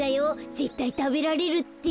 ぜったいたべられるって。